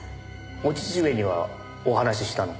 お父上にはお話ししたの？